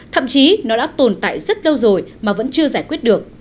thậm chí nó đã tồn tại rất lâu rồi mà vẫn chưa giải quyết được